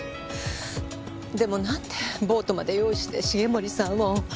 でもなんでボートまで用意して重森さんを。